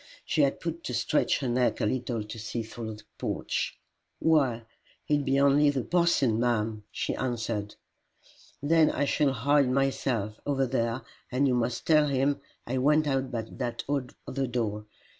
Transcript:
She had but to stretch her neck a little to see through the porch. "Why, it be only the parson, ma'am!" she answered. "Then I shall hide myself, over there, and you must tell him I went out by that other door.